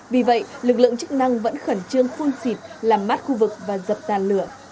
vì vậy lực lượng chức năng vẫn khẩn trương phun xịt làm mát khu vực và dập dàn lửa